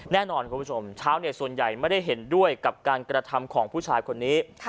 แน่นอนคุณผู้ชมชาวเน็ตส่วนใหญ่ไม่ได้เห็นด้วยกับการกระทำของผู้ชายคนนี้